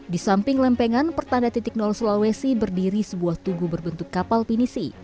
di samping lempengan pertanda titik nol sulawesi berdiri sebuah tugu berbentuk kapal pinisi